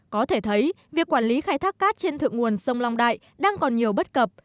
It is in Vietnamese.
có thể thấy việc quản lý khai thác cát trên thượng nguồn sông long đại đang còn nhiều bất cập